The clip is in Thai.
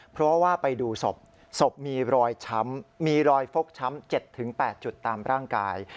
เพราะว่าไปดูศพศพมีรอยช้ำมีรอยฟกช้ำ๗๘จุดตามร่างกาย